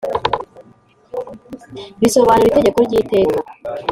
bisobanura itegeko ry’iteka.